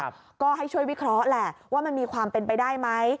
ก็ให้ช่วยวิเคราะห์แหละว่ามันมีความเป็นไปได้ไหม